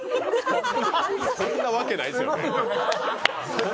そんなわけないですよね。